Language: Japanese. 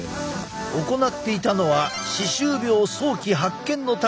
行っていたのは歯周病早期発見のための検査だ。